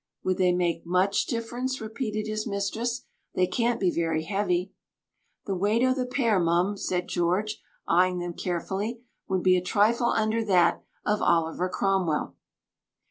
"Would they make much difference?" repeated his mistress. "They can't be very heavy." "The weight o' the pair, mum," said George, eyeing them carefully, "would be a trifle under that of Oliver Cromwell."